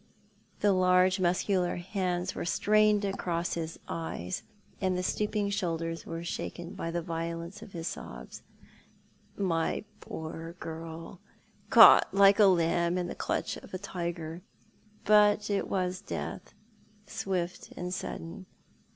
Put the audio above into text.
The large, muscular hands were strained across his cyos, and the stooping shoulders were shaken by the violence of liis sobs. " My poor girl ; caught like a lamb in tlie clutch of a tiger but it was death, swift and sudden.